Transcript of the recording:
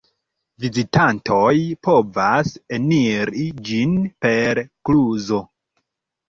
Vizitantoj povas eniri ĝin per kluzo.